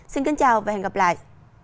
xin chào và hẹn gặp lại